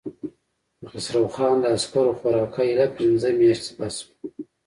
د خسرو خان د عسکرو خوراکه اېله پنځه مياشتې بس شوه.